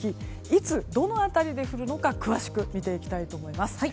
いつ、どの辺りで降るのか詳しく見ていきます。